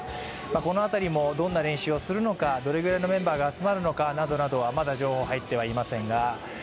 この辺りも、どんな練習をするのかどれくらいのメンバーが集まるのかまだ情報、入ってはいませんが。